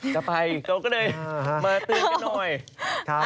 จะไปตกหน่อยมาตื่นกันหน่อย